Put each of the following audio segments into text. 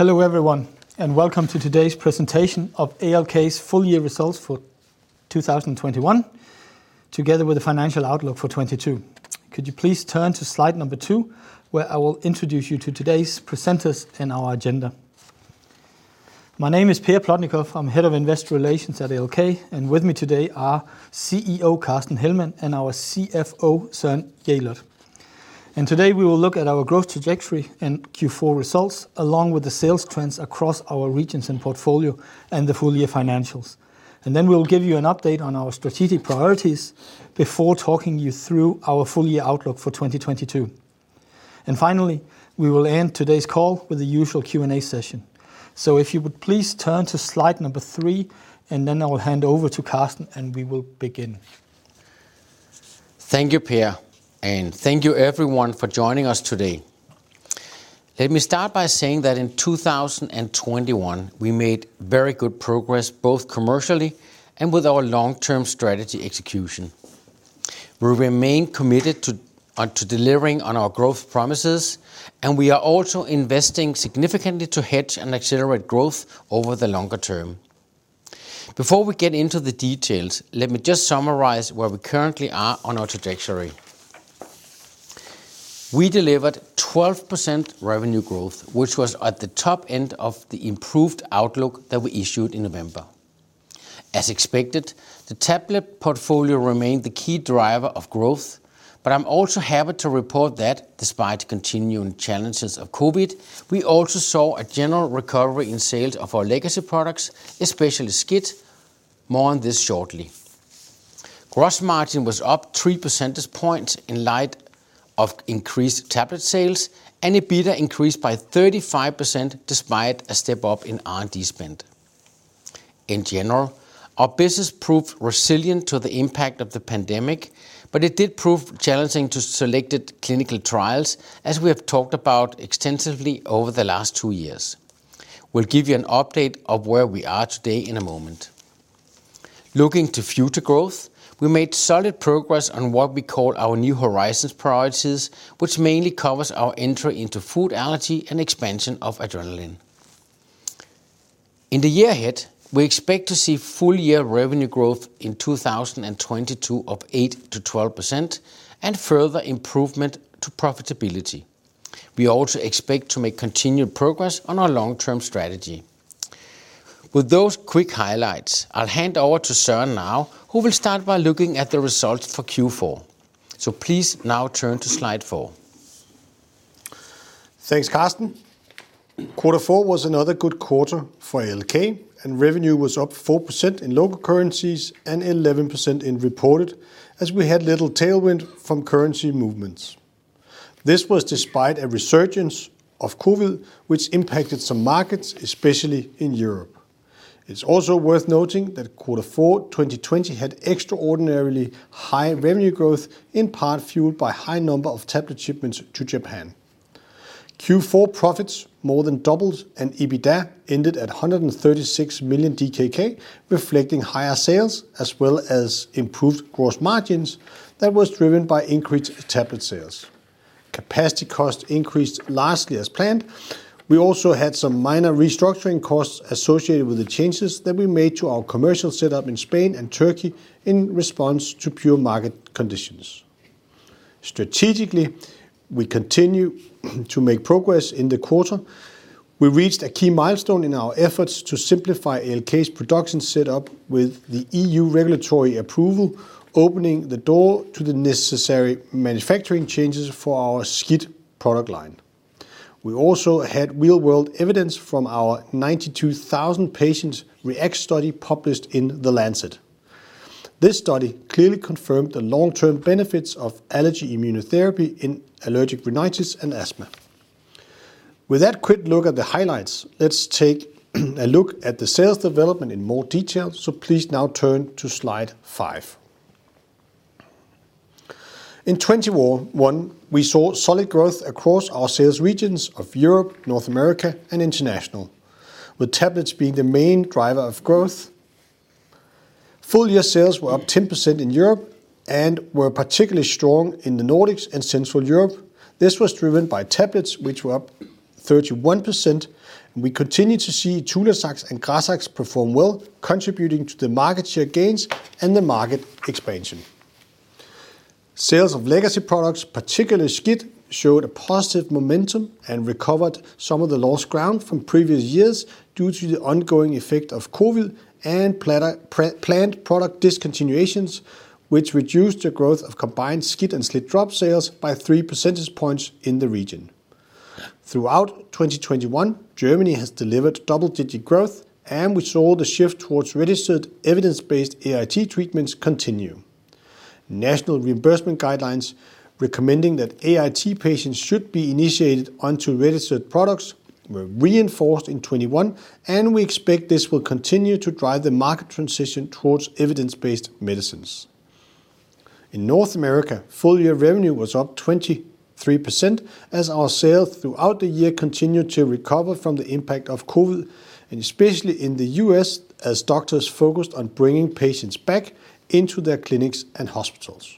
Hello everyone, and welcome to today's presentation of ALK's full year results for 2021, together with the financial outlook for 2022. Could you please turn to slide two, where I will introduce you to today's presenters and our agenda. My name is Per Plotnikof. I'm Head of Investor Relations at ALK, and with me today are CEO Carsten Hellmann and our CFO Søren Jelert. Today, we will look at our growth trajectory and Q4 results, along with the sales trends across our regions and portfolio and the full year financials. Then we'll give you an update on our strategic priorities before talking you through our full year outlook for 2022. Finally, we will end today's call with the usual Q&A session. If you would please turn to slide number three, and then I will hand over to Carsten, and we will begin. Thank you, Per, and thank you everyone for joining us today. Let me start by saying that in 2021, we made very good progress, both commercially and with our long-term strategy execution. We remain committed to delivering on our growth promises, and we are also investing significantly to hedge and accelerate growth over the longer term. Before we get into the details, let me just summarize where we currently are on our trajectory. We delivered 12% revenue growth, which was at the top end of the improved outlook that we issued in November. As expected, the tablet portfolio remained the key driver of growth, but I'm also happy to report that despite continuing challenges of COVID, we also saw a general recovery in sales of our legacy products, especially SCIT. More on this shortly. Gross margin was up three percentage points in light of increased tablet sales, and EBITDA increased by 35% despite a step up in R&D spend. In general, our business proved resilient to the impact of the pandemic, but it did prove challenging to selected clinical trials, as we have talked about extensively over the last two years. We'll give you an update of where we are today in a moment. Looking to future growth, we made solid progress on what we call our New Horizons priorities, which mainly covers our entry into food allergy and expansion of adrenaline. In the year ahead, we expect to see full year revenue growth in 2022 of 8%-12% and further improvement to profitability. We also expect to make continued progress on our long-term strategy. With those quick highlights, I'll hand over to Søren now, who will start by looking at the results for Q4. Please now turn to slide four. Thanks, Carsten. Q4 was another good quarter for ALK, and revenue was up 4% in local currencies and 11% in reported, as we had little tailwind from currency movements. This was despite a resurgence of COVID, which impacted some markets, especially in Europe. It's also worth noting that Q4 2020 had extraordinarily high revenue growth, in part fueled by high number of tablet shipments to Japan. Q4 profits more than doubled, and EBITDA ended at 136 million DKK, reflecting higher sales as well as improved gross margins that was driven by increased tablet sales. Capacity costs increased largely as planned. We also had some minor restructuring costs associated with the changes that we made to our commercial setup in Spain and Turkey in response to poor market conditions. Strategically, we continue to make progress in the quarter. We reached a key milestone in our efforts to simplify ALK's production setup with the EU regulatory approval, opening the door to the necessary manufacturing changes for our SCIT product line. We also had real-world evidence from our 92,000 patients REACT study published in The Lancet. This study clearly confirmed the long-term benefits of allergy immunotherapy in allergic rhinitis and asthma. With that quick look at the highlights, let's take a look at the sales development in more detail, so please now turn to slide five. In 2021, we saw solid growth across our sales regions of Europe, North America, and International, with tablets being the main driver of growth. Full year sales were up 10% in Europe and were particularly strong in the Nordics and Central Europe. This was driven by tablets, which were up 31%. We continue to see ACARIZAX and GRAZAX perform well, contributing to the market share gains and the market expansion. Sales of legacy products, particularly SCIT, showed a positive momentum and recovered some of the lost ground from previous years due to the ongoing effect of COVID and planned product discontinuations, which reduced the growth of combined SCIT and SLIT-drops sales by 3% points in the region. Throughout 2021, Germany has delivered double-digit growth, and we saw the shift towards registered evidence-based AIT treatments continue. National reimbursement guidelines recommending that AIT patients should be initiated onto registered products were reinforced in 2021, and we expect this will continue to drive the market transition towards evidence-based medicines. In North America, full year revenue was up 23% as our sales throughout the year continued to recover from the impact of COVID, and especially in the U.S., as doctors focused on bringing patients back into their clinics and hospitals.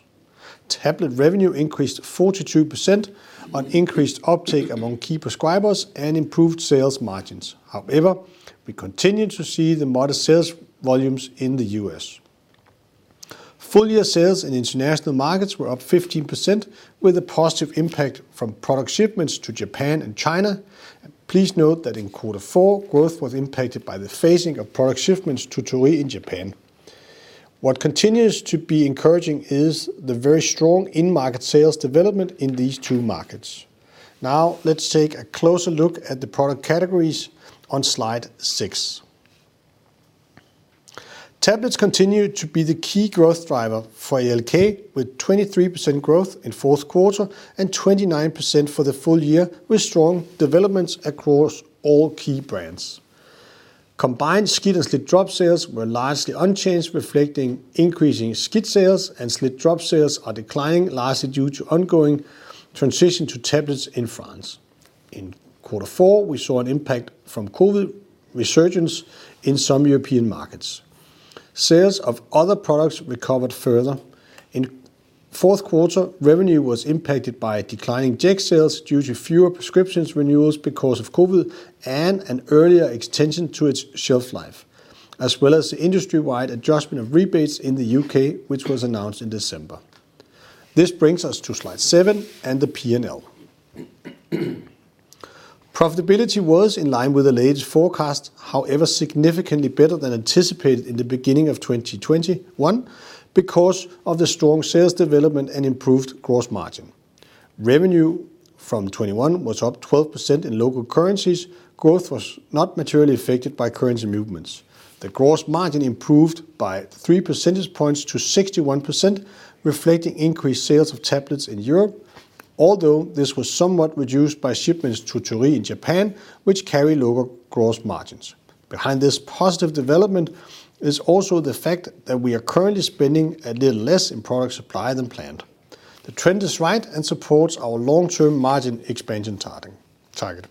Tablet revenue increased 42% on increased uptake among key prescribers and improved sales margins. However, we continue to see the modest sales volumes in the U.S. Full year sales in international markets were up 15% with a positive impact from product shipments to Japan and China. Please note that in quarter four, growth was impacted by the phasing of product shipments to Torii in Japan. What continues to be encouraging is the very strong in-market sales development in these two markets. Now let's take a closer look at the product categories on slide six. Tablets continue to be the key growth driver for ALK, with 23% growth in fourth quarter and 29% for the full year, with strong developments across all key brands. Combined SCIT and SLIT-drops sales were largely unchanged, reflecting increasing SCIT sales and SLIT-drops sales are declining, largely due to ongoing transition to tablets in France. In quarter four, we saw an impact from COVID resurgence in some European markets. Sales of other products recovered further. In fourth quarter, revenue was impacted by declining Jext sales due to fewer prescription renewals because of COVID and an earlier extension to its shelf life, as well as the industry-wide adjustment of rebates in the U.K., which was announced in December. This brings us to slide seven and the PNL. Profitability was in line with the latest forecast, however significantly better than anticipated in the beginning of 2021, because of the strong sales development and improved gross margin. Revenue from 2021 was up 12% in local currencies. Growth was not materially affected by currency movements. The gross margin improved by three percentage points to 61%, reflecting increased sales of tablets in Europe, although this was somewhat reduced by shipments to Torii in Japan, which carry lower gross margins. Behind this positive development is also the fact that we are currently spending a little less in product supply than planned. The trend is right and supports our long-term margin expansion target.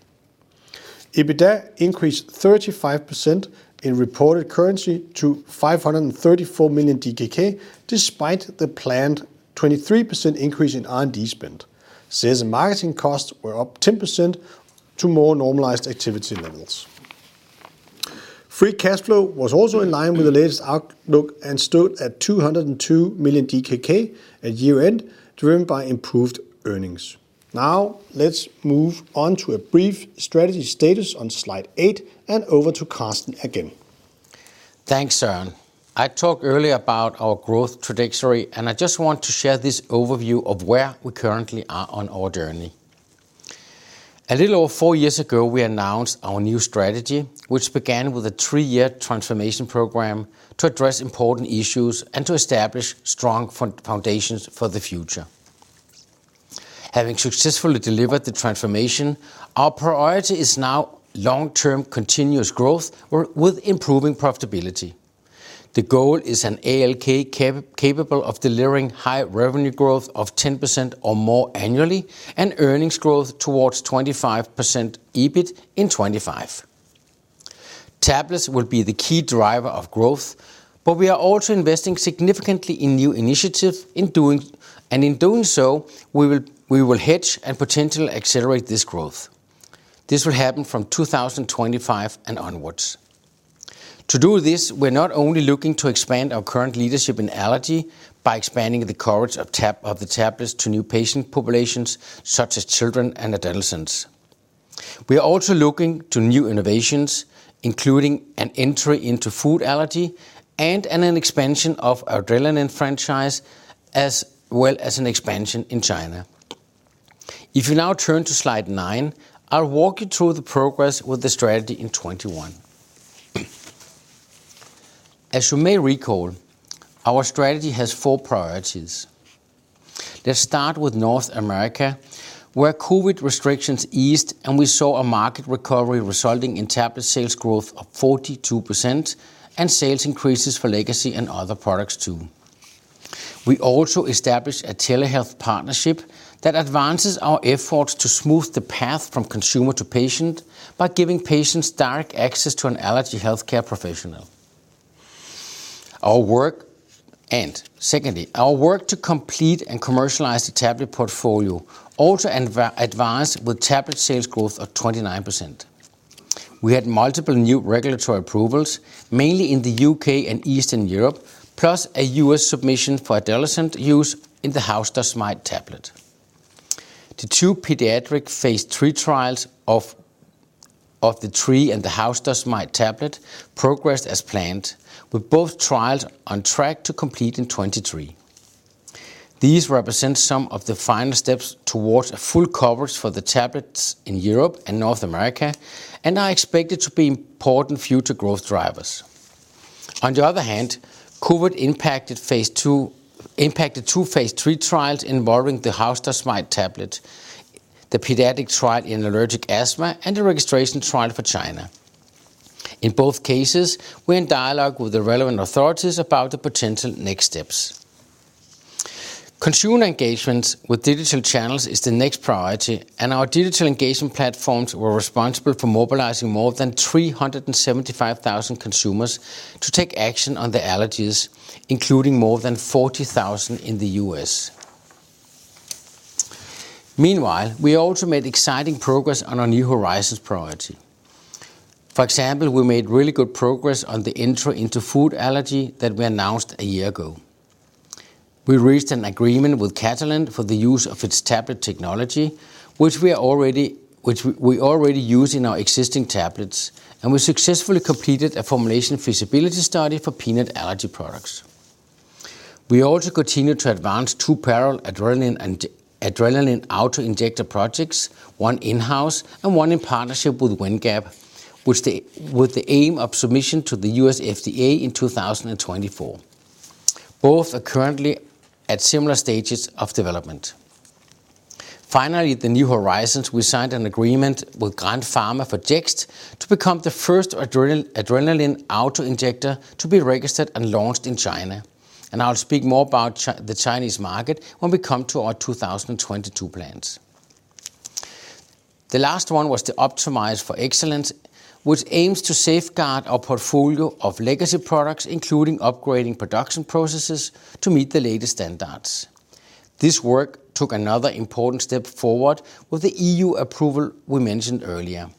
EBITDA increased 35% in reported currency to 534 million DKK despite the planned 23% increase in R&D spend. Sales and marketing costs were up 10% to more normalized activity levels. Free cash flow was also in line with the latest outlook and stood at 202 million DKK at year-end, driven by improved earnings. Now let's move on to a brief strategy status on slide eight and over to Carsten again. Thanks, Søren. I talked earlier about our growth trajectory, and I just want to share this overview of where we currently are on our journey. A little over four years ago, we announced our new strategy, which began with a three-year transformation program to address important issues and to establish strong foundations for the future. Having successfully delivered the transformation, our priority is now long-term continuous growth with improving profitability. The goal is an ALK capable of delivering high revenue growth of 10% or more annually and earnings growth towards 25% EBIT in 2025. Tablets will be the key driver of growth, but we are also investing significantly in new initiatives, and in doing so, we will hedge and potentially accelerate this growth. This will happen from 2025 and onwards. To do this, we're not only looking to expand our current leadership in allergy by expanding the coverage of the tablets to new patient populations such as children and adolescents. We are also looking to new innovations, including an entry into food allergy and an expansion of our adrenaline franchise, as well as an expansion in China. If you now turn to slide nine, I'll walk you through the progress with the strategy in 2021. As you may recall, our strategy has four priorities. Let's start with North America, where COVID restrictions eased and we saw a market recovery resulting in tablet sales growth of 42% and sales increases for legacy and other products too. We also established a telehealth partnership that advances our efforts to smooth the path from consumer to patient by giving patients direct access to an allergy healthcare professional. Our work to complete and commercialize the tablet portfolio also advanced with tablet sales growth of 29%. We had multiple new regulatory approvals, mainly in the U.K. and Eastern Europe, plus a U.S. submission for adolescent use in the house dust mite tablet. The two pediatric phase III trials of the tree and the house dust mite tablet progressed as planned, with both trials on track to complete in 2023. These represent some of the final steps towards a full coverage for the tablets in Europe and North America, and are expected to be important future growth drivers. On the other hand, COVID impacted two phase III trials involving the house dust mite tablet, the pediatric trial in allergic asthma, and the registration trial for China. In both cases, we're in dialogue with the relevant authorities about the potential next steps. Consumer engagements with digital channels is the next priority, and our digital engagement platforms were responsible for mobilizing more than 375,000 consumers to take action on their allergies, including more than 40,000 in the U.S. Meanwhile, we also made exciting progress on our New Horizons priority. For example, we made really good progress on the entry into food allergy that we announced a year ago. We reached an agreement with Catalent for the use of its tablet technology, which we already use in our existing tablets, and we successfully completed a formulation feasibility study for peanut allergy products. We also continue to advance two parallel adrenaline auto-injector projects, one in-house and one in partnership with Windgap, with the aim of submission to the U.S. FDA in 2024. Both are currently at similar stages of development. Finally, the New Horizons, we signed an agreement with Grand Pharma for Jext to become the first adrenaline auto-injector to be registered and launched in China. I'll speak more about the Chinese market when we come to our 2022 plans. The last one was to optimize for excellence, which aims to safeguard our portfolio of legacy products, including upgrading production processes to meet the latest standards. This work took another important step forward with the E.U. approval we mentioned earlier.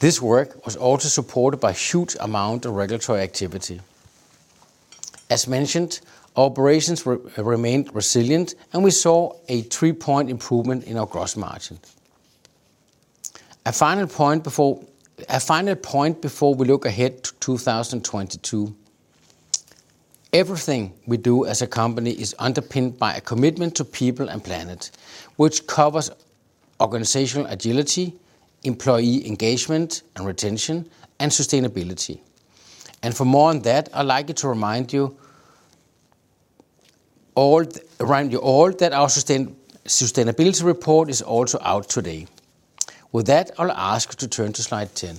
This work was also supported by huge amount of regulatory activity. As mentioned, operations remained resilient, and we saw a three-point improvement in our gross margins. A final point before we look ahead to 2022. Everything we do as a company is underpinned by a commitment to people and planet, which covers organizational agility, employee engagement and retention, and sustainability. For more on that, I'd like you to remind you all that our sustainability report is also out today. With that, I'll ask to turn to slide 10.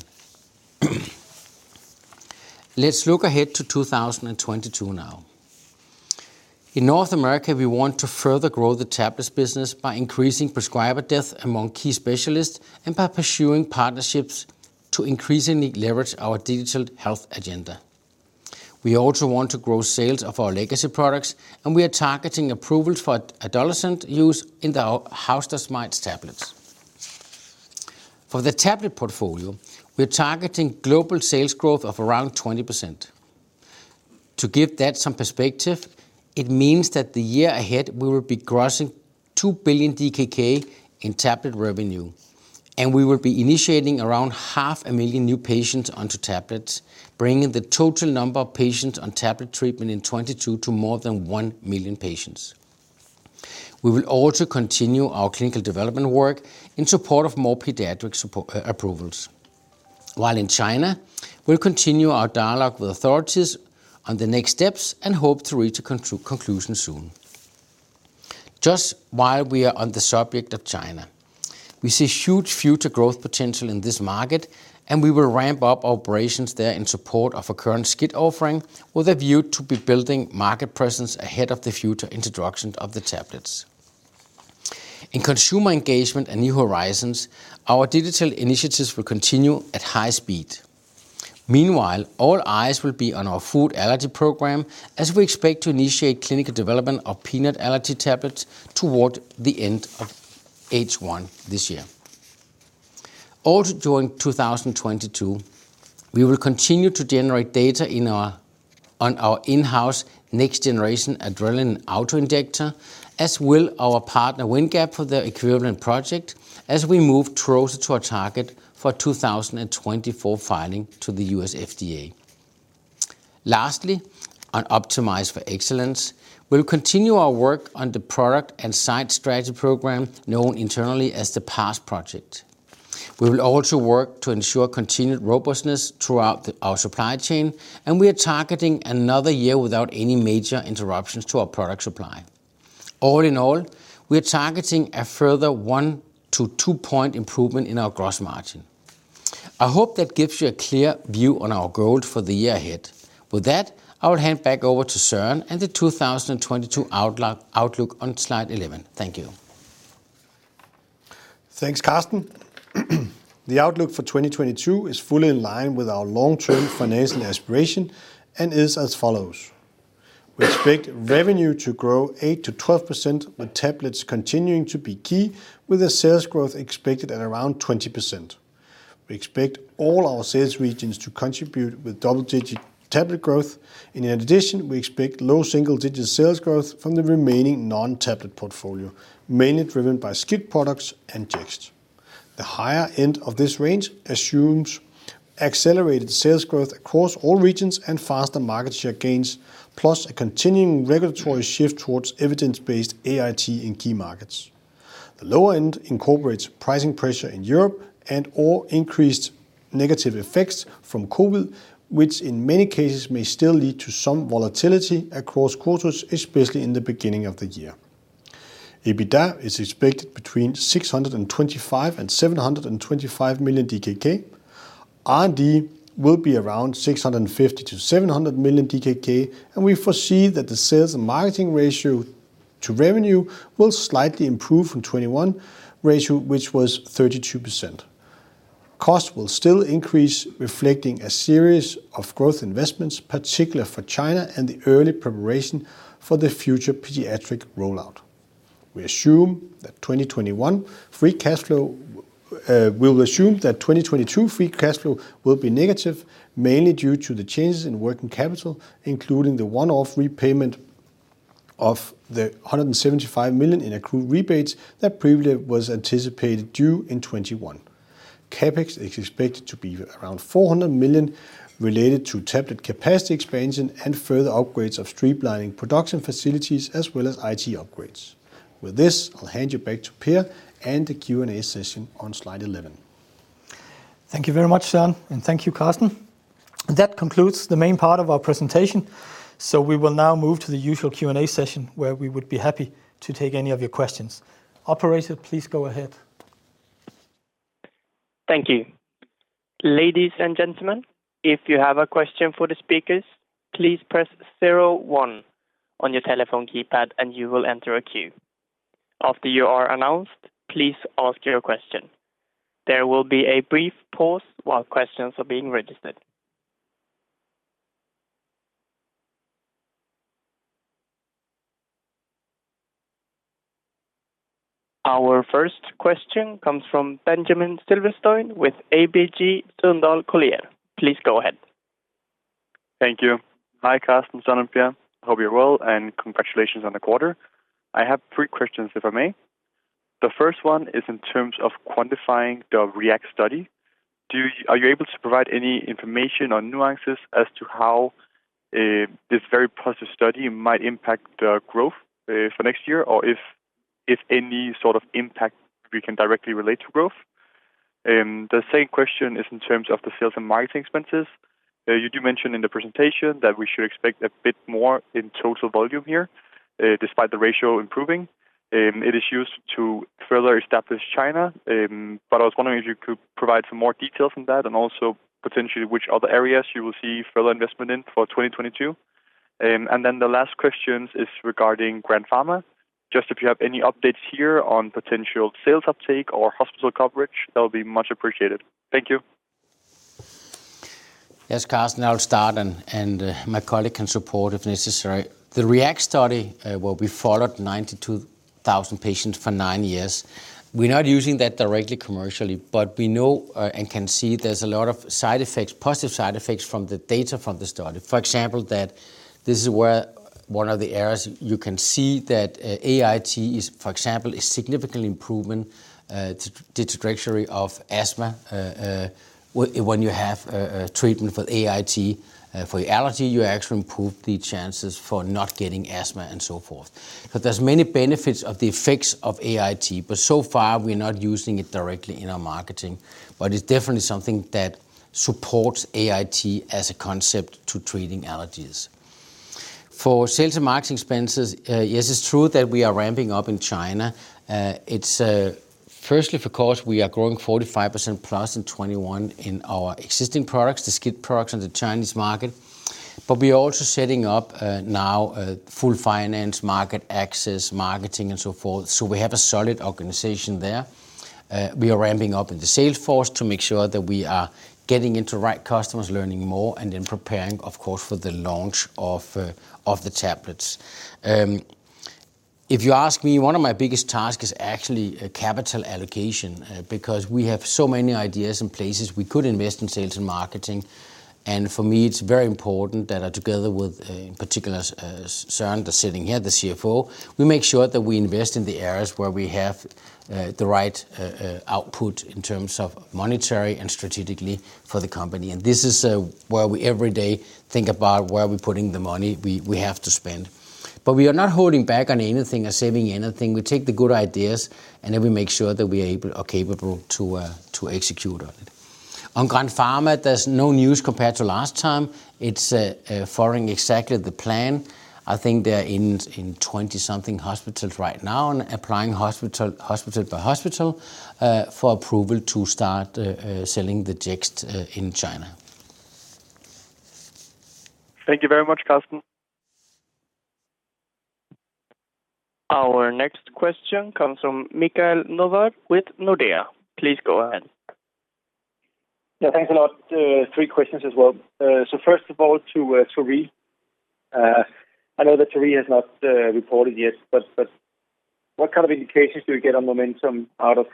Let's look ahead to 2022 now. In North America, we want to further grow the tablets business by increasing prescriber depth among key specialists and by pursuing partnerships to increasingly leverage our digital health agenda. We also want to grow sales of our legacy products, and we are targeting approvals for adolescent use in our house dust mites tablets. For the tablet portfolio, we're targeting global sales growth of around 20%. To give that some perspective, it means that the year ahead, we will be grossing 2 billion DKK in tablet revenue, and we will be initiating around 500,000 new patients onto tablets, bringing the total number of patients on tablet treatment in 2022 to more than one million patients. We will also continue our clinical development work in support of more pediatric approvals. While in China, we'll continue our dialogue with authorities on the next steps and hope to reach a conclusion soon. Just while we are on the subject of China, we see huge future growth potential in this market, and we will ramp up operations there in support of a current SCIT offering with a view to be building market presence ahead of the future introduction of the tablets. In consumer engagement and New Horizons, our digital initiatives will continue at high speed. Meanwhile, all eyes will be on our food allergy program, as we expect to initiate clinical development of peanut allergy tablets toward the end of H1 this year. Also, during 2022, we will continue to generate data on our in-house next generation adrenaline auto-injector, as will our partner Windgap for their equivalent project as we move closer to our target for 2024 filing to the U.S. FDA. Lastly, on Optimize for Excellence, we will continue our work on the product and site strategy program known internally as the PASS project. We will also work to ensure continued robustness throughout our supply chain, and we are targeting another year without any major interruptions to our product supply. All in all, we are targeting a further 1%-2% improvement in our gross margin. I hope that gives you a clear view on our goal for the year ahead. With that, I'll hand back over to Søren and the 2022 outlook on slide 11. Thank you. Thanks, Carsten. The outlook for 2022 is fully in line with our long-term financial aspiration and is as follows. We expect revenue to grow 8%-12%, with tablets continuing to be key, with a sales growth expected at around 20%. We expect all our sales regions to contribute with double-digit tablet growth. In addition, we expect low single-digit sales growth from the remaining non-tablet portfolio, mainly driven by SCIT products and Jext. The higher end of this range assumes accelerated sales growth across all regions and faster market share gains, plus a continuing regulatory shift towards evidence-based AIT in key markets. The lower end incorporates pricing pressure in Europe and/or increased negative effects from COVID, which in many cases may still lead to some volatility across quarters, especially in the beginning of the year. EBITDA is expected between 625 million and 725 million DKK. R&D will be around 650 million-700 million DKK, and we foresee that the sales and marketing ratio to revenue will slightly improve from 21% ratio, which was 32%. Costs will still increase, reflecting a series of growth investments, particularly for China and the early preparation for the future pediatric rollout. We will assume that 2022 free cash flow will be negative, mainly due to the changes in working capital, including the one-off repayment of the 175 million in accrued rebates that previously was anticipated due in 2021. CapEx is expected to be around 400 million related to tablet capacity expansion and further upgrades of streamlining production facilities as well as IT upgrades. With this, I'll hand you back to Per and the Q&A session on slide 11. Thank you very much, Søren, and thank you, Carsten. That concludes the main part of our presentation. We will now move to the usual Q&A session, where we would be happy to take any of your questions. Operator, please go ahead. Thank you. Ladies and gentlemen, if you have a question for the speakers, please press zero one on your telephone keypad, and you will enter a queue. After you are announced, please ask your question. There will be a brief pause while questions are being registered. Our first question comes from Benjamin Silverstone with ABG Sundal Collier. Please go ahead. Thank you. Hi, Carsten, Søren, and Per. Hope you're well, and congratulations on the quarter. I have three questions, if I may. The first one is in terms of quantifying the REACT study. Are you able to provide any information or nuances as to how this very positive study might impact the growth for next year or if any sort of impact we can directly relate to growth? The same question is in terms of the sales and marketing expenses. You do mention in the presentation that we should expect a bit more in total volume here despite the ratio improving. It is used to further establish China, but I was wondering if you could provide some more details on that and also potentially which other areas you will see further investment in for 2022. The last question is regarding Grand Pharma. Just if you have any updates here on potential sales uptake or hospital coverage, that would be much appreciated. Thank you. Yes, Carsten, I'll start and my colleague can support if necessary. The REACT study, where we followed 92,000 patients for nine years. We're not using that directly commercially, but we know and can see there's a lot of side effects, positive side effects from the data from the study. For example, that this is where one of the areas you can see that AIT is, for example, a significant improvement to trajectory of asthma. When you have a treatment for AIT for your allergy, you actually improve the chances for not getting asthma and so forth. There's many benefits of the effects of AIT, but so far, we're not using it directly in our marketing. It's definitely something that supports AIT as a concept to treating allergies. For sales and marketing expenses, yes, it's true that we are ramping up in China. It's firstly, of course, we are growing 45% plus in 2021 in our existing products, the SCIT products in the Chinese market. But we are also setting up now a full finance market access, marketing and so forth. So we have a solid organization there. We are ramping up in the sales force to make sure that we are getting into the right customers, learning more, and then preparing, of course, for the launch of the tablets. If you ask me, one of my biggest task is actually capital allocation, because we have so many ideas and places we could invest in sales and marketing. For me, it's very important that together with, in particular, Søren, that's sitting here, the CFO, we make sure that we invest in the areas where we have the right output in terms of monetary and strategically for the company. This is where we every day think about where we're putting the money we have to spend. We are not holding back on anything or saving anything. We take the good ideas, and then we make sure that we are able or capable to execute on it. On Grand Pharma, there's no news compared to last time. It's following exactly the plan. I think they're in 20-something hospitals right now and applying hospital by hospital for approval to start selling the Jext in China. Thank you very much, Carsten. Our next question comes from Michael Novod with Nordea. Please go ahead. Yeah, thanks a lot. Three questions as well. First of all, to Torii. I know that Torii has not reported yet, but what kind of indications do we get on momentum out of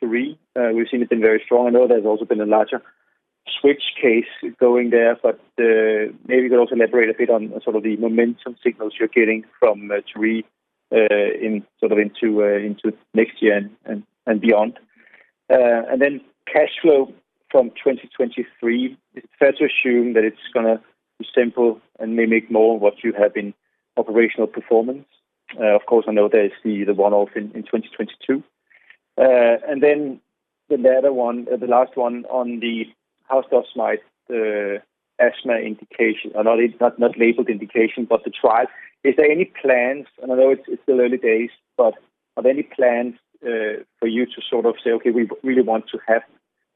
Torii? We've seen it's been very strong. I know there's also been a larger switch case going there, but maybe you could also elaborate a bit on sort of the momentum signals you're getting from Torii in sort of into next year and beyond. Then cash flow from 2023, is it fair to assume that it's gonna be simply a mirror of what you have in operational performance? Of course, I know there's the one-off in 2022. Then the latter one, the last one on the house dust mite asthma indication. Not labeled indication, but the trial. Is there any plans, and I know it's still early days, but are there any plans for you to sort of say, okay, we really want to have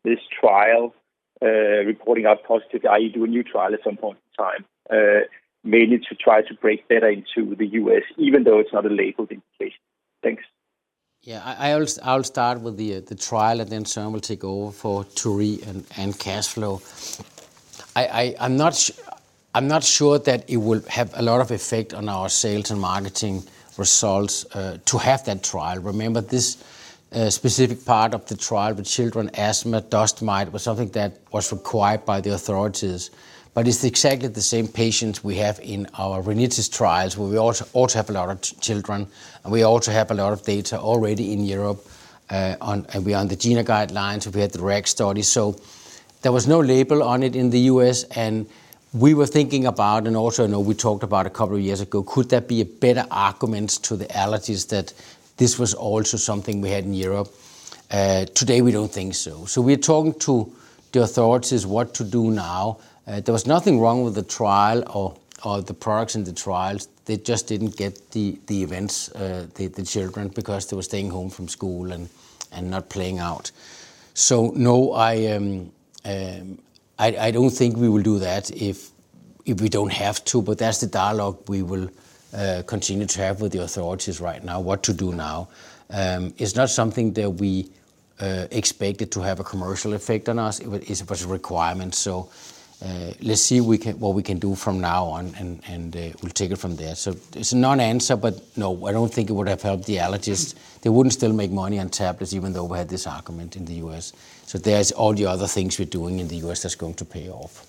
this trial reporting out positive, i.e., do a new trial at some point in time, mainly to try to break better into the U.S. even though it's not a labeled indication. Thanks. I'll start with the trial, and then Søren will take over for Torii and cash flow. I'm not sure that it will have a lot of effect on our sales and marketing results to have that trial. Remember this specific part of the trial with children's asthma, dust mite was something that was required by the authorities, but it's exactly the same patients we have in our rhinitis trials where we also have a lot of children, and we also have a lot of data already in Europe. We're on the GINA guidelines. We had the REACT study. There was no label on it in the U.S., and we were thinking about it and also, you know, we talked about a couple of years ago, could that be a better argument to the allergists that this was also something we had in Europe. Today we don't think so. We're talking to the authorities about what to do now. There was nothing wrong with the trial or the products in the trials. They just didn't get the events because the children were staying home from school and not playing out. No, I don't think we will do that if we don't have to, but that's the dialogue we will continue to have with the authorities right now about what to do now. It's not something that we expected to have a commercial effect on us. It was a requirement. Let's see what we can do from now on and we'll take it from there. It's a non-answer, but no, I don't think it would have helped the allergists. They wouldn't still make money on tablets even though we had this argument in the U.S. There's all the other things we're doing in the U.S. that's going to pay off.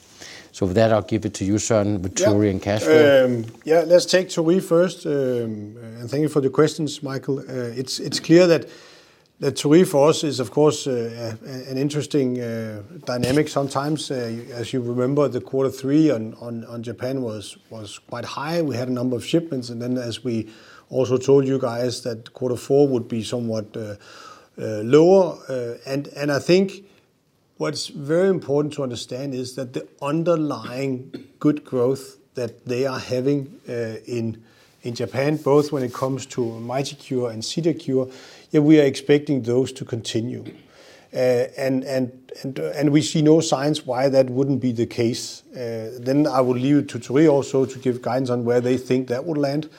With that, I'll give it to you, Søren. Yeah With Torii and cash flow. Let's take Torii first. Thank you for the questions, Michael. It's clear that Torii for us is of course an interesting dynamic sometimes. As you remember, the quarter three on Japan was quite high. We had a number of shipments, and then as we also told you guys that quarter four would be somewhat lower. I think what's very important to understand is that the underlying good growth that they are having in Japan, both when it comes to MITICURE and CEDARCURE, we are expecting those to continue. We see no signs why that wouldn't be the case. I will leave it to Torii also to give guidance on where they think that will land.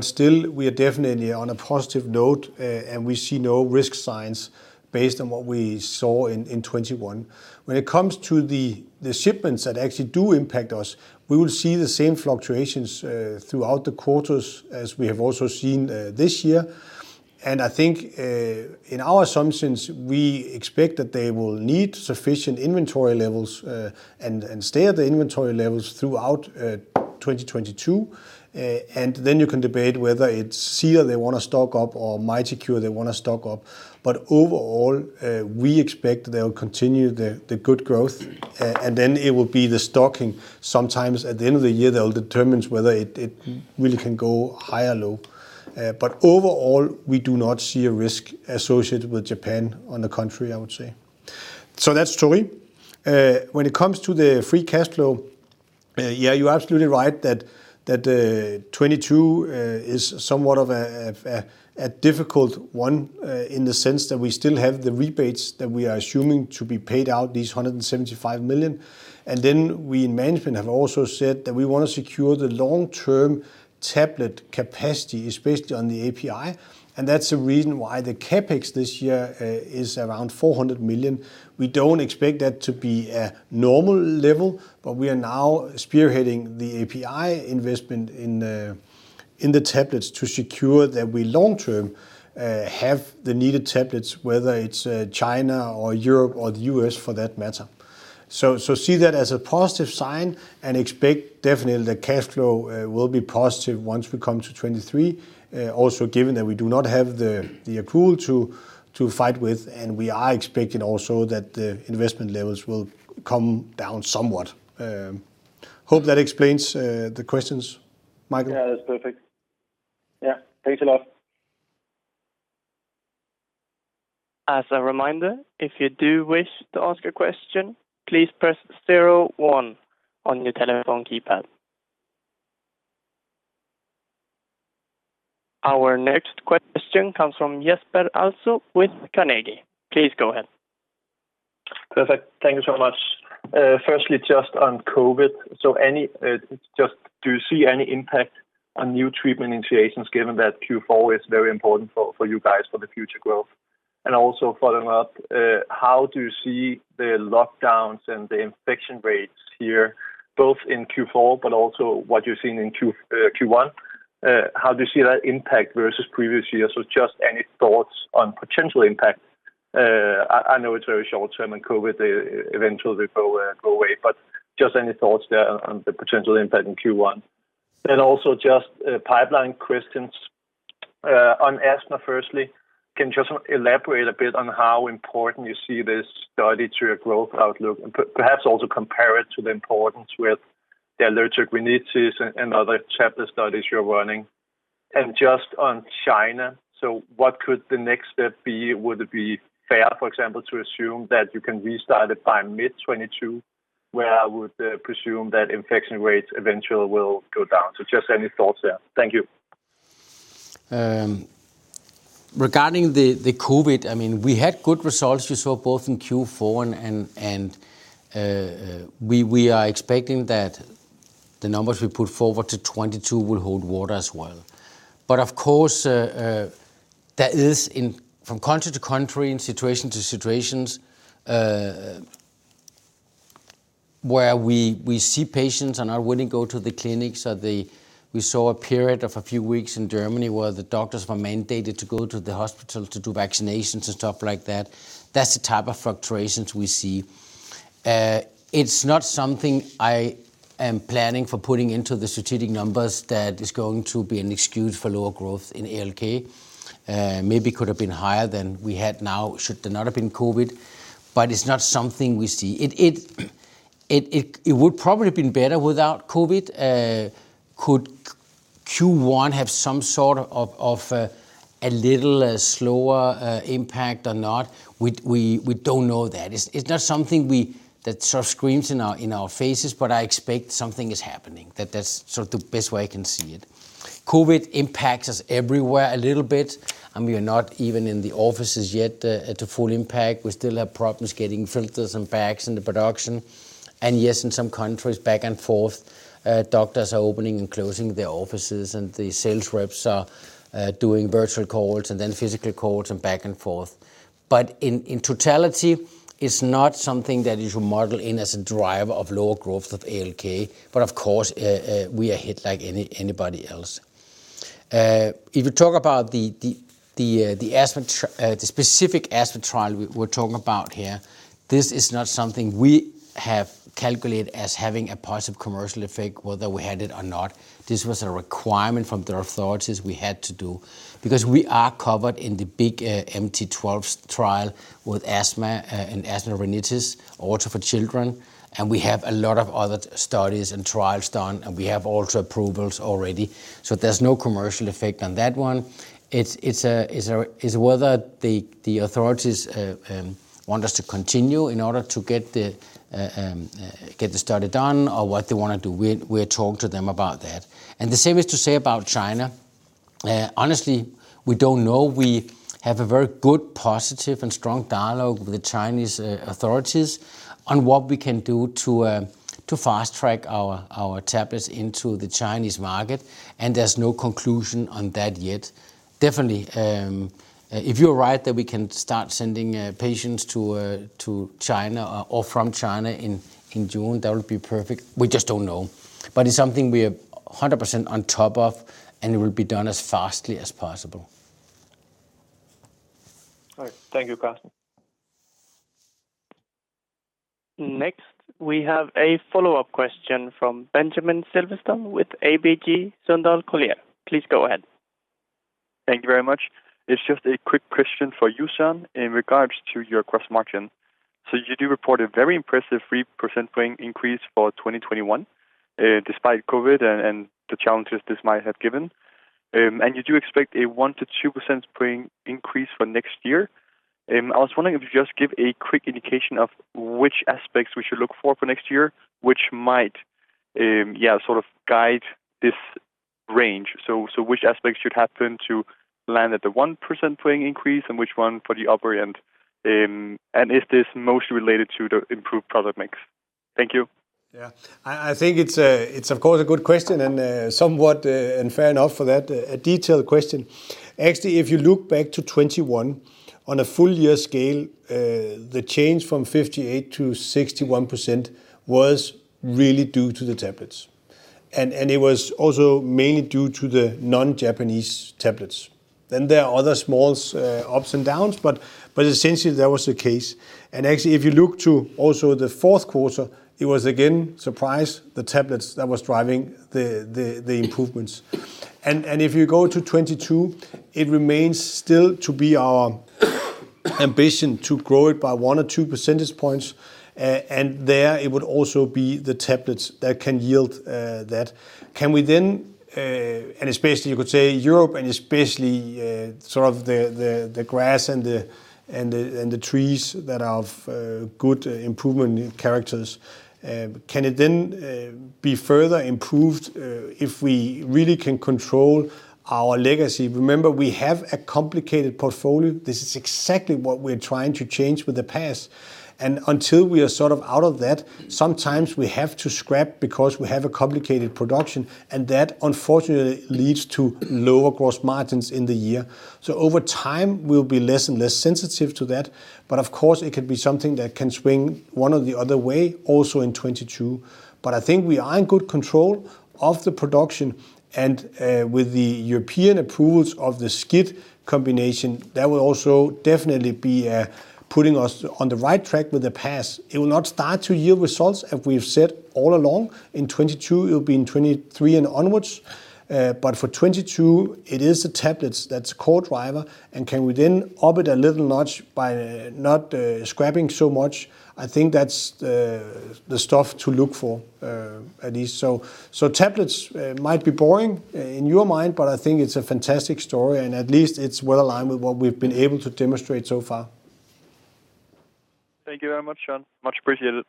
Still, we are definitely on a positive note, and we see no risk signs based on what we saw in 2021. When it comes to the shipments that actually do impact us, we will see the same fluctuations throughout the quarters as we have also seen this year. I think, in our assumptions, we expect that they will need sufficient inventory levels, and stay at the inventory levels throughout 2022. You can debate whether it's CEDARCURE they wanna stock up or MITICURE they wanna stock up. Overall, we expect they'll continue the good growth, and then it will be the stocking sometimes at the end of the year that will determine whether it really can go high or low. Overall, we do not see a risk associated with Japan in the country, I would say. That's Torii. When it comes to the free cash flow, yeah, you're absolutely right that 2022 is somewhat of a difficult one in the sense that we still have the rebates that we are assuming to be paid out, these 175 million. Then we in management have also said that we wanna secure the long-term tablet capacity, especially on the API. That's the reason why the CapEx this year is around 400 million. We don't expect that to be a normal level, but we are now spearheading the API investment in the tablets to secure that we long term have the needed tablets, whether it's China or Europe or the U.S. for that matter. See that as a positive sign and expect definitely the cash flow will be positive once we come to 2023. Also given that we do not have the accrual to fight with, and we are expecting also that the investment levels will come down somewhat. Hope that explains the questions, Michael. Yeah. That's perfect. Yeah. Thanks a lot. As a reminder, if you do wish to ask a question, please press zero one on your telephone keypad. Our next question comes from Jesper Ilsøe with Carnegie. Please go ahead. Perfect. Thank you so much. Firstly, just on COVID. Any, just do you see any impact on new treatment initiations given that Q4 is very important for you guys for the future growth? Also following up, how do you see the lockdowns and the infection rates here, both in Q4 but also what you're seeing in Q1? How do you see that impact versus previous years? Just any thoughts on potential impact. I know it's very short term and COVID eventually go away, but just any thoughts there on the potential impact in Q1. Also just pipeline questions on asthma firstly. Can you just elaborate a bit on how important you see this study to your growth outlook? Perhaps also compare it to the importance with the allergic rhinitis and other cohort studies you're running. Just on China, what could the next step be? Would it be fair, for example, to assume that you can restart it by mid-2022, where I would presume that infection rates eventually will go down? Just any thoughts there. Thank you. Regarding the COVID, I mean, we had good results, you saw both in Q4 and we are expecting that the numbers we put forward to 2022 will hold water as well. But of course, that is from country to country and situation to situation, where we see patients now wouldn't go to the clinics. We saw a period of a few weeks in Germany where the doctors were mandated to go to the hospital to do vaccinations and stuff like that. That's the type of fluctuations we see. It's not something I am planning for putting into the strategic numbers that is going to be an excuse for lower growth in ALK. Maybe could have been higher than we had now should there not have been COVID, but it's not something we see. It would probably have been better without COVID. Could Q1 have some sort of a little slower impact or not? We don't know that. It's not something that sort of screams in our faces, but I expect something is happening. That's sort of the best way I can see it. COVID impacts us everywhere a little bit, and we are not even in the offices yet at the full impact. We still have problems getting filters and bags into production. Yes, in some countries, back and forth, doctors are opening and closing their offices, and the sales reps are doing virtual calls and then physical calls and back and forth. In totality, it's not something that you should model in as a driver of lower growth of ALK. Of course, we are hit like anybody else. If you talk about the specific asthma trial we're talking about here, this is not something we have calculated as having a positive commercial effect, whether we had it or not. This was a requirement from the authorities we had to do. Because we are covered in the big MT-12 trial with asthma and allergic rhinitis, also for children, and we have a lot of other studies and trials done, and we have also approvals already. There's no commercial effect on that one. It's whether the authorities want us to continue in order to get the study done or what they wanna do. We'll talk to them about that. The same is to say about China. Honestly, we don't know. We have a very good, positive, and strong dialogue with the Chinese authorities on what we can do to fast-track our tablets into the Chinese market, and there's no conclusion on that yet. Definitely, if you're right that we can start sending patients to China or from China in June, that would be perfect. We just don't know. It's something we are 100% on top of, and it will be done as fastly as possible. All right. Thank you, Carsten. Next, we have a follow-up question from Benjamin Silverstone with ABG Sundal Collier. Please go ahead. Thank you very much. It's just a quick question for you, Søren, in regards to your gross margin. You do report a very impressive 3% point increase for 2021, despite COVID and the challenges this might have given. You do expect a 1-2 percentage point increase for next year. I was wondering if you just give a quick indication of which aspects we should look for for next year, which might sort of guide this range. Which aspects should happen to land at the 1% point increase and which one for the upper end? Is this mostly related to the improved product mix? Thank you. Yeah. I think it's of course a good question and somewhat and fair enough for that, a detailed question. Actually, if you look back to 2021, on a full year scale, the change from 58%-61% was really due to the tablets. It was also mainly due to the non-Japanese tablets. There are other small ups and downs, but essentially that was the case. Actually, if you look to also the fourth quarter, it was again, surprise, the tablets that was driving the improvements. If you go to 2022, it remains still to be our ambition to grow it by 1 or 2 percentage points, and there it would also be the tablets that can yield that. Can we then and especially you could say Europe and especially sort of the grass and the trees that have good improvement characteristics. Can it then be further improved if we really can control our legacy? Remember, we have a complicated portfolio. This is exactly what we're trying to change with the PASS. Until we are sort of out of that, sometimes we have to scrap because we have a complicated production, and that, unfortunately, leads to lower gross margins in the year. Over time, we'll be less and less sensitive to that. Of course, it could be something that can swing one or the other way also in 2022. I think we are in good control of the production, and with the European approvals of the SCIT combination, that will also definitely be putting us on the right track with the PASS. It will not start to yield results, as we've said all along, in 2022. It will be in 2023 and onwards. For 2022, it is the tablets that's core driver. Can we then up it a little notch by not scrapping so much? I think that's the stuff to look for, at least. Tablets might be boring in your mind, but I think it's a fantastic story, and at least it's well aligned with what we've been able to demonstrate so far. Thank you very much, Søren. Much appreciated.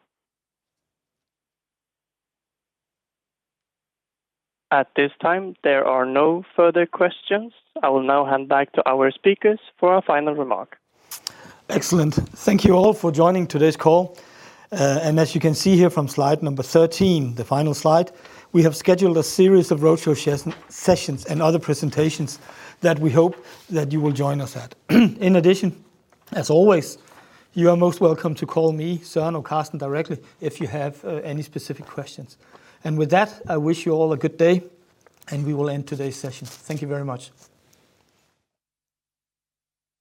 At this time, there are no further questions. I will now hand back to our speakers for our final remark. Excellent. Thank you all for joining today's call. As you can see here from slide number 13, the final slide, we have scheduled a series of roadshow sessions and other presentations that we hope that you will join us at. In addition, as always, you are most welcome to call me, Søren, or Carsten directly if you have any specific questions. With that, I wish you all a good day, and we will end today's session. Thank you very much.